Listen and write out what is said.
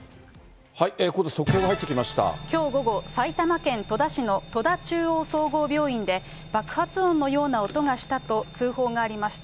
きょう午後、埼玉県戸田市の戸田中央総合病院で、爆発音のような音がしたと通報がありました。